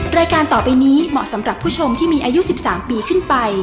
รายการต่อไปนี้เหมาะสำหรับผู้ชมที่มีอายุ๑๓ปีขึ้นไป